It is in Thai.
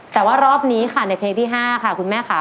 แต่ว่ารอบนี้ค่ะในเพลงที่๕ค่ะคุณแม่ค่ะ